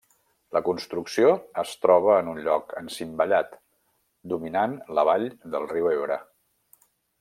La construcció es troba en un lloc encimbellat, dominant la vall del riu Ebre.